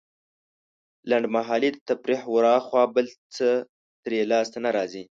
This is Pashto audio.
لنډمهالې تفريح وراخوا بل څه ترې لاسته نه راځي.